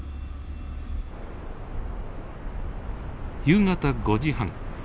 夕方５時半。